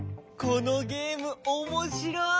このゲームおもしろい。